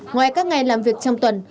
ngoài các ngày làm việc trong tuần